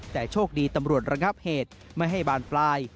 แต่โชคดีตำรวจระงับเหตุไม่ให้บานปลาย